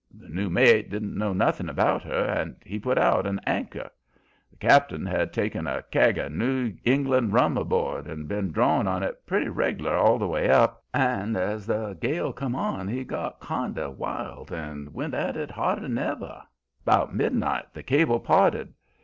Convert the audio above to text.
The new mate didn't know nothin' about her, and he put out one anchor. The cap'n had taken a kag o' New England rum aboard and been drawin' on it pretty reg'lar all the way up, and as the gale come on he got kind o' wild and went at it harder 'n ever. About midnight the cable parted.